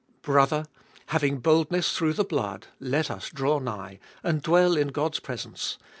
Brother ! Having boldness through the blood, let us draw nigh, and dwell in God's presence.